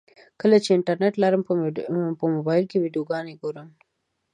کله چې انټرنټ لرم په موبایل کې ویډیوګانې ګورم.